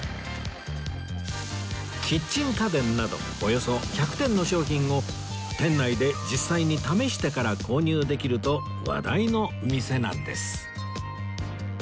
キッチン家電などおよそ１００点の商品を店内で実際に試してから購入できると話題の店なんです